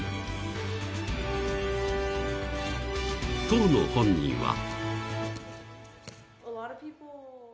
［当の本人は］